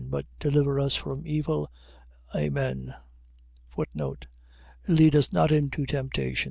But deliver us from evil. Amen. Lead us not into temptation. ..